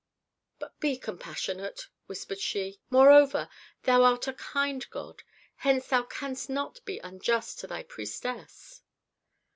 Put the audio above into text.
"But be compassionate," whispered she. "Moreover, thou art a kind god, hence thou canst not be unjust to thy priestess."